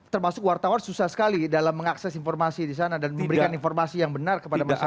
termasuk wartawan susah sekali dalam mengakses informasi di sana dan memberikan informasi yang benar kepada masyarakat